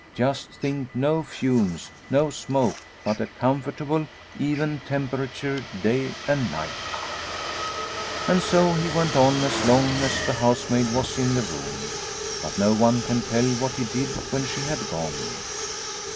Just think no fumes, no 176 Liliecrona's Home smoke, but a comfortable, even temperature day and night ! And so he went on as long as the housemaid was in the room. But no one can tell what he did when she had gone.